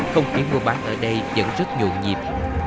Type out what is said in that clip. không khí mua bán ở đây vẫn rất nhộn nhịp